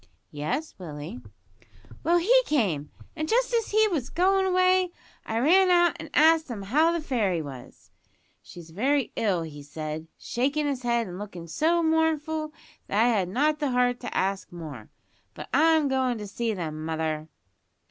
"Yes, Willie." "Well, he came, and just as he was goin' away I ran out an' asked him how the fairy was. `She's very ill,' he said, shakin' his head, and lookin' so mournful that I had not the heart to ask more. But I'm goin' to see them, mother."